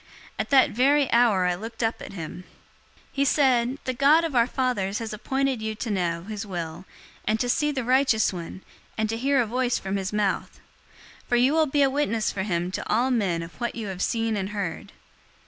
In that very hour I looked up at him. 022:014 He said, 'The God of our fathers has appointed you to know his will, and to see the Righteous One, and to hear a voice from his mouth. 022:015 For you will be a witness for him to all men of what you have seen and heard.